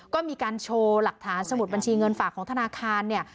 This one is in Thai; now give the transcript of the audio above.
ก็มีการโชว์หลักฐานสมุดบัญชีเงินฝากของธนาคารเนี่ย